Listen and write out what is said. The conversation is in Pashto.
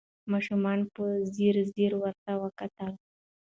ماشومانو په ځیر ځیر ورته کتله